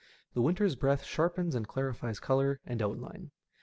The winter's breath sharpens and clarifies colour and outline.